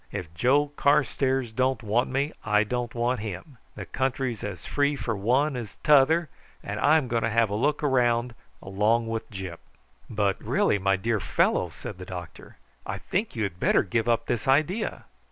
If Joe Carstairs don't want me, I don't want him. The country's as free for one as t'other, and I'm going to have a look round along with Gyp." "But really, my dear fellow," said the doctor, "I think you had better give up this idea."